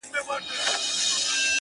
دا ستا ښكلا ته شعر ليكم؛